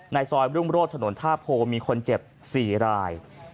ซอยรุ่งโรธถนนท่าโพมีคนเจ็บ๔ราย